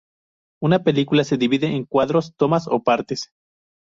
Una película se divide en cuadros, tomas o partes.